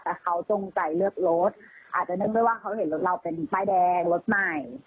แต่เขาจงใจเลือกรถอาจจะนึกได้ว่าเขาเห็นรถเราเป็นป้ายแดงรถใหม่